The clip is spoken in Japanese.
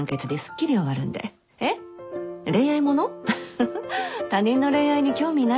フフ他人の恋愛に興味ないんで。